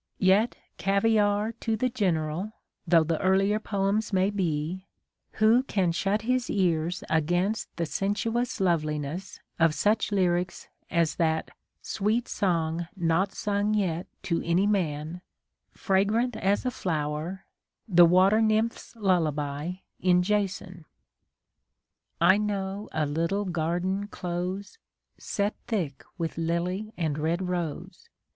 Yet "caviare to the general" though the earlier poems may be, who can shut his ears against the sensuous loveliness of such lyrics as that "sweet song not sung yet to any man," fragrant as a flower, the water nymph's lullaby in Jason ? I know a little garden close. Set thick with lily and red rose.